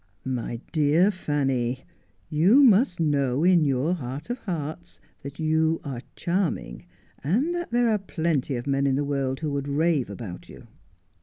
' My dear Fanny, you must know, in your heart of hearts, that you are charming, and that there are plenty of men in the world who would rave about you